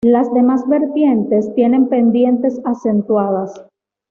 Las demás vertientes tienen pendientes acentuadas.